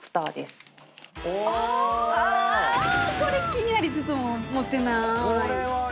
これ気になりつつも持ってなーい。